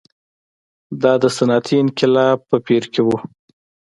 دا د صنعتي انقلاب په پېر کې و.